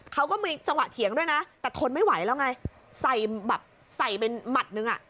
เขาก็มีจังหวะเถียงด้วยนะแต่ทนไม่ไหวแล้วไงใส่แบบใส่เป็นหมัดนึงอ่ะ